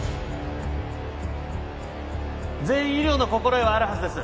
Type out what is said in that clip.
全員医療の心得はあるはずです